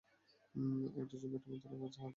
এক জন বেঁটেমতো লোক আছে, হাতে ষ্টেথিসকোপ।